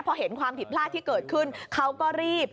พอเห็นความผิดพลาดที่เกิดขึ้นเขาก็รีบ